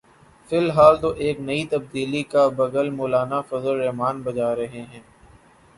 فی الحال تو ایک نئی تبدیلی کا بگل مولانا فضل الرحمان بجا رہے ہیں۔